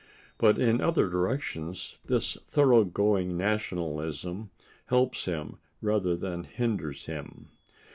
But in other directions this thoroughgoing nationalism helps him rather than hinders him.